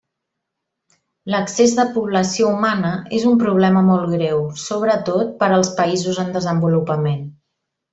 L'excés de població humana és un problema molt greu, sobretot per als països en desenvolupament.